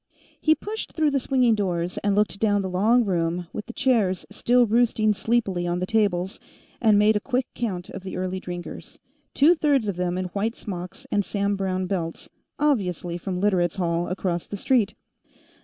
He pushed through the swinging doors and looked down the long room, with the chairs still roosting sleepily on the tables, and made a quick count of the early drinkers, two thirds of them in white smocks and Sam Browne belts, obviously from Literates' Hall, across the street.